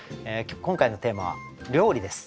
今回のテーマは「料理」です。